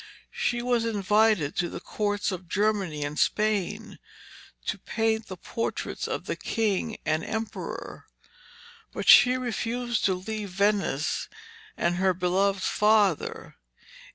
She was invited to the courts of Germany and Spain to paint the portraits of the King and Emperor, but she refused to leave Venice and her beloved father.